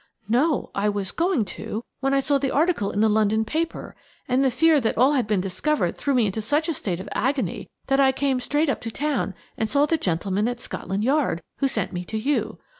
"No. I was going to, when I saw the article in the London paper, and the fear that all had been discovered threw me into such a state of agony that I came straight up to town and saw the gentleman at Scotland Yard, who sent me on to you.